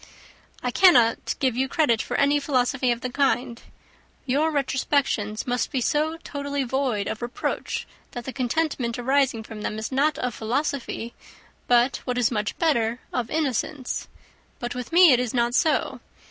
"I cannot give you credit for any philosophy of the kind. Your retrospections must be so totally void of reproach, that the contentment arising from them is not of philosophy, but, what is much better, of ignorance. But with me, it is not so.